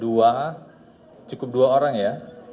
dua cukup dua orang ya